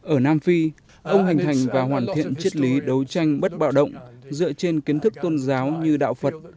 ở nam phi ông hành thành và hoàn thiện chất lý đấu tranh bất bạo động dựa trên kiến thức tôn giáo như đạo phật